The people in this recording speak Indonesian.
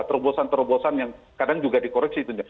terobosan terobosan yang kadang juga dikoreksi itu